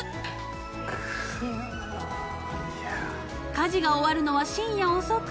［家事が終わるのは深夜遅く］